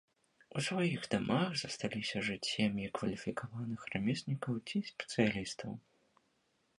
У сваіх дамах засталіся жыць сем'і кваліфікаваных рамеснікаў ці спецыялістаў.